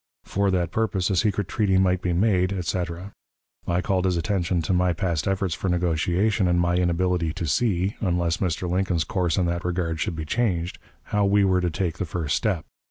For that purpose a secret treaty might be made, etc. I called his attention to my past efforts for negotiation, and my inability to see unless Mr. Lincoln's course in that regard should be changed how we were to take the first step.